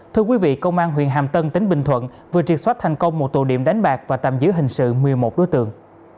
thưa quý vị công an huyện hàm tân tỉnh bình thuận vừa triệt xóa thành công một tù điểm đánh bạc và tạm giữ hình sự một mươi một đối tượng